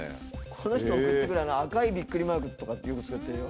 この人送ってくる赤いびっくりマークとかってよく使ってるよ